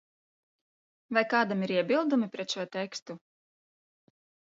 Vai kādam ir iebildumi pret šo tekstu?